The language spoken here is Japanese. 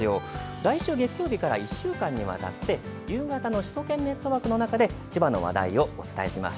来週月曜日から１週間にわたって夕方の「首都圏ネットワーク」の中で千葉の話題をお伝えします。